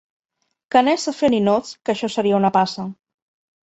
Que anés a fer ninots, que això seria una passa